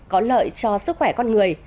có lợi cho sức khỏe con người